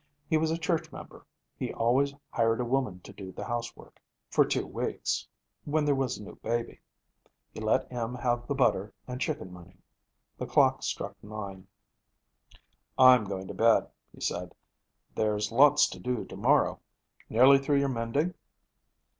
He was a church member. He always hired a woman to do the housework, for two weeks, when there was a new baby. He let Em have the butter and chicken money. The clock struck nine. 'I'm going to bed,' he said, 'there's lots to do to morrow. Nearly through your mending?'